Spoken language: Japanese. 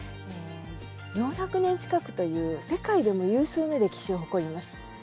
４００年近くという世界でも有数の歴史を誇ります。